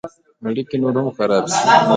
اړیکې نور هم خراب شوې.